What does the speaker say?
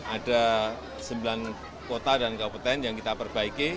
ada sembilan kota dan kabupaten yang kita perbaiki